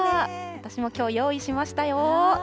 私もきょう、用意しましたよ。